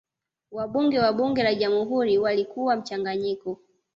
wabunge wa bunge la jamhuri walikuwa mchanganyiko